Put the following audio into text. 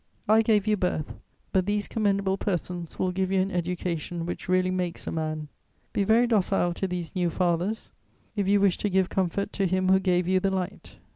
I gave you birth; but these commendable persons will give you an education which really makes a man. Be very docile to these new fathers, if you wish to give comfort to him who gave you the light.